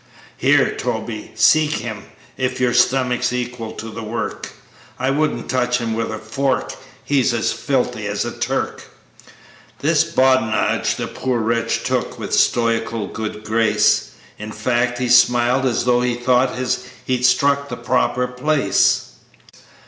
"Here, Toby, sic 'em, if your stomach's equal to the work I wouldn't touch him with a fork, he's filthy as a Turk." This badinage the poor wretch took with stoical good grace; In face, he smiled as tho' he thought he'd struck the proper place.